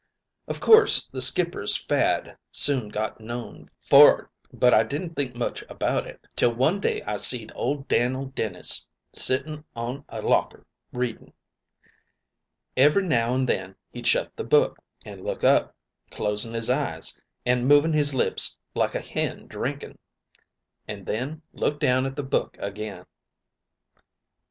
"Of course, the skipper's fad soon got known for'ard. But I didn't think much about it, till one day I seed old Dan'l Dennis sitting on a locker reading. Every now and then he'd shut the book, an' look up, closing 'is eyes, an' moving his lips like a hen drinking, an' then look down at the book again.